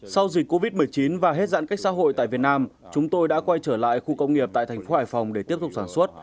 sau dịch covid một mươi chín và hết giãn cách xã hội tại việt nam chúng tôi đã quay trở lại khu công nghiệp tại thành phố hải phòng để tiếp tục sản xuất